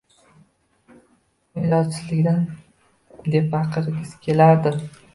U ilojsizlikdan deb baqirgisi kelardi.